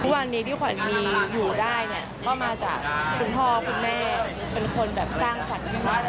วันนี้ที่ควันมีอยู่ได้เนี่ยเข้ามาจากคุณพ่อคุณแม่เป็นคนสร้างควันขึ้นมา